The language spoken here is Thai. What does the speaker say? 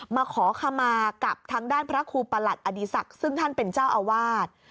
มาขอขมากับทางด้านพระครูประหลัดอดีศักดิ์ซึ่งท่านเป็นเจ้าอาวาส